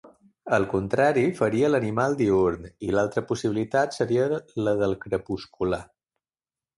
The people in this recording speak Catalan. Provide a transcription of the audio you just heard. El contrari faria l'animal diürn i altra possibilitat seria la del crepuscular.